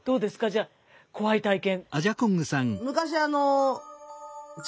じゃあ怖い体験。